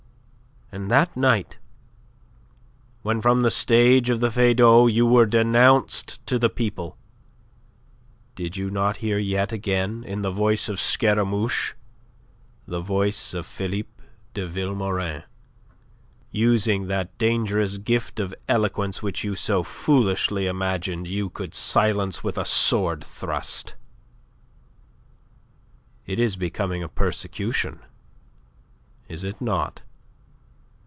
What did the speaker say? And that night when from the stage of the Feydau you were denounced to the people, did you not hear yet again, in the voice of Scaramouche, the voice of Philippe de Vilmorin, using that dangerous gift of eloquence which you so foolishly imagined you could silence with a sword thrust? It is becoming a persecution is it not?